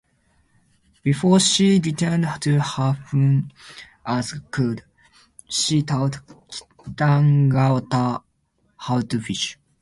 Before she returned to heaven as a cloud, she taught Kaitangata how to fish.